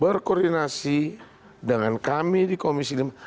berkoordinasi dengan kami di komisi lima